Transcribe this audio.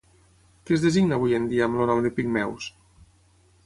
Què es designa avui en dia amb el nom de pigmeus?